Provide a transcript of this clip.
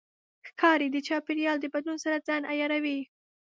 ښکاري د چاپېریال د بدلون سره ځان عیاروي.